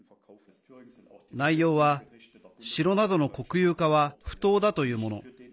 内容は、城などの国有化は不当だというもの。